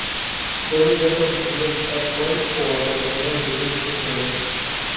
Puede ser consumido tal cual o acompañado de dulce o salado.